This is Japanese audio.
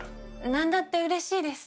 何だってうれしいです。